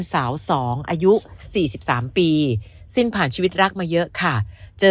สาวสองอายุสี่สิบสามปีซินผ่านชีวิตรักมาเยอะค่ะเจอ